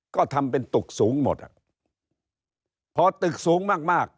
ก็ทำเป็นตึกสูงหมดอ่ะพอตึกสูงมากมาก